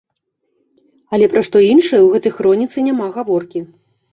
Але пра што іншае ў гэтай хроніцы няма гаворкі.